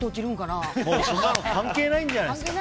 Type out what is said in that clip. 関係ないんじゃないですか。